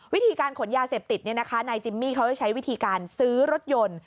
วิธีการขนยาเสพติดนายจิมมี่เขาจะใช้วิธีการซื้อรถยนต์